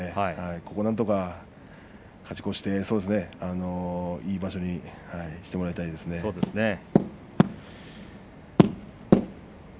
なんとか勝ち越していい場所にしてもらいたいですね。